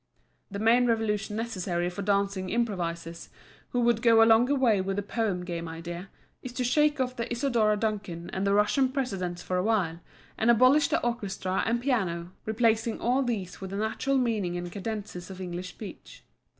The main revolution necessary for dancing improvisers, who would go a longer way with the Poem Game idea, is to shake off the Isadora Duncan and the Russian precedents for a while, and abolish the orchestra and piano, replacing all these with the natural meaning and cadences of English speech.